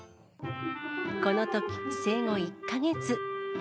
このとき、生後１か月。